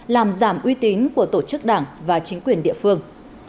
làm giảm uy tín của tổ chức đảng và chính quyền địa phương